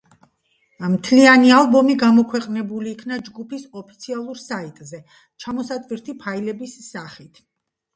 მთლიანი ალბომი გამოქვეყნებული იქნა ჯგუფის ოფიციალურ საიტზე, ჩამოსატვირთი ფაილების სახით.